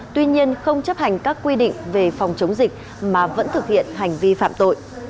tuy nhiên không chấp hành các quy định về phòng chống dịch mà vẫn thực hiện hành vi phạm tội